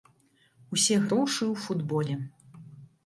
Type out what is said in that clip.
Усе грошы ў футболе.